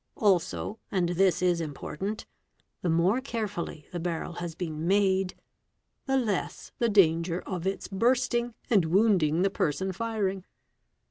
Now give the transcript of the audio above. — Also, and this is important, the more carefully the barrel has been made, — the less the danger of its bursting and wounding the person firing.